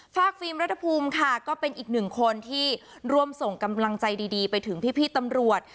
ฟิล์มรัฐภูมิค่ะก็เป็นอีกหนึ่งคนที่ร่วมส่งกำลังใจดีไปถึงพี่ตำรวจ